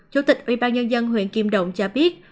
chủ tịch ubnd huyện kim động cho biết